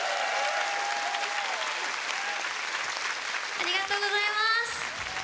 ありがとうございます。